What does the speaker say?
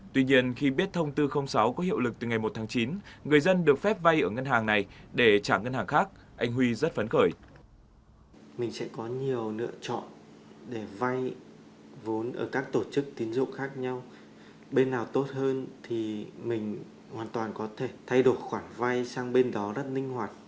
tuy nhiên khi biết thông tư sáu có hiệu lực từ ngày một tháng chín người dân được phép vai ở ngân hàng này để trả ngân hàng khác anh huy rất phấn khởi